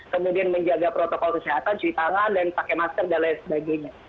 kemudian menjaga protokol kesehatan cuci tangan dan pakai masker dan lain sebagainya